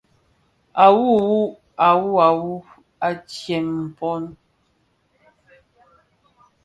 A wuwu, a wuwu, à tsem pong.